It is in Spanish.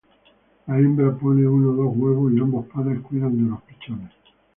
La hembra pone uno o dos huevos y ambos padres cuidan de los pichones.